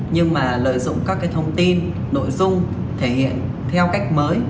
nhưng mà lợi dụng các thông tin nội dung thể hiện theo cách mới